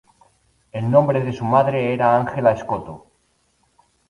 El nombre de su madre era Ángela Escoto.